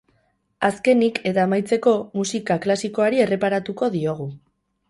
Azkenik, eta amaitzeko, musika klasikoari erreparatuko diogu.